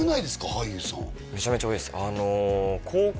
俳優さんめちゃめちゃ多いです